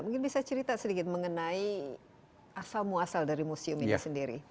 mungkin bisa cerita sedikit mengenai asal muasal dari museum ini sendiri